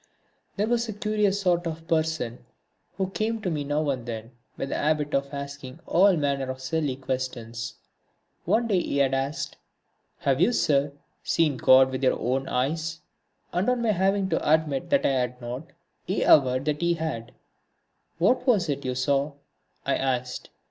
There was a curious sort of person who came to me now and then, with a habit of asking all manner of silly questions. One day he had asked: "Have you, sir, seen God with your own eyes?" And on my having to admit that I had not, he averred that he had. "What was it you saw?" I asked.